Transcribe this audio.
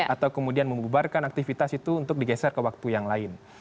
atau kemudian membubarkan aktivitas itu untuk digeser ke waktu yang lain